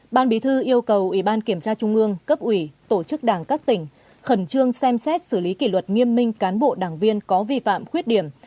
ban bí thư yêu cầu ủy ban kiểm tra trung ương cấp ủy tổ chức đảng các tỉnh khẩn trương xem xét xử lý kỷ luật nghiêm minh cán bộ đảng viên có vi phạm khuyết điểm